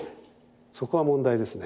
そこは問題ですね。